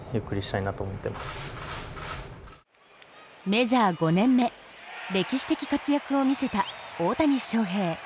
メジャー５年目、歴史的活躍を見せた大谷翔平。